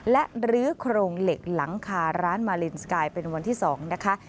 และลื้อโครงเหล็กหลังคาร้านมาลินสกายเป็นวันที่๒นะคะ